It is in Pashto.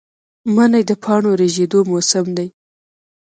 منی د پاڼو ریژیدو موسم دی